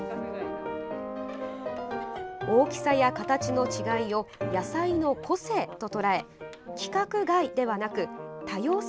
大きさや形の違いを野菜の個性ととらえ規格外ではなく多様性